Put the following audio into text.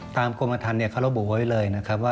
ตามกรมอธัณฑ์เขารบบไว้เลย